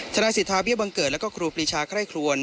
ธนาสิทธาเบี้ยบังเกิดและก็ครูปีชาไข้คลวน